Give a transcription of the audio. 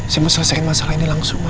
saya mau selesai masalah ini langsung ma